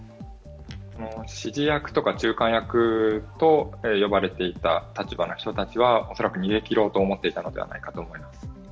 指示役とか中間役と呼ばれていた立場の人たちは恐らく逃げきろうと思っていたのではないかと思います。